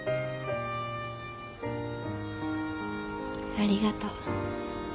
ありがとう。